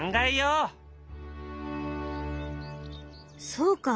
そうか。